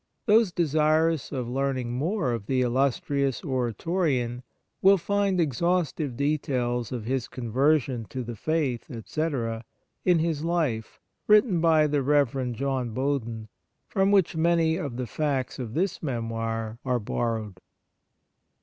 Those desirous of learning more of the illustrious Oratorian will find exhaustive details of his conver sion to the Faith, etc., in his Life, written by the Rev. John Bowden, from which many of the facts of this memoir are borrowed.